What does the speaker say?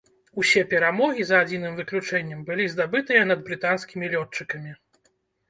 Усе перамогі, за адзіным выключэннем, былі здабытыя над брытанскімі лётчыкамі.